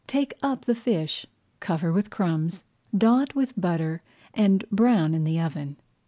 Take up the fish, cover with crumbs, dot with butter, and brown in the oven.